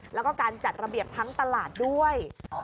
แล้วก็การจัดระเบียบทั้งตลาดด้วย